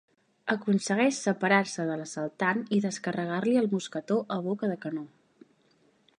Aconsegueix separar-se de l'assaltant i descarregar-li el mosquetó a boca de canó.